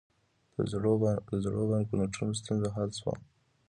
د زړو بانکنوټونو ستونزه حل شوه؟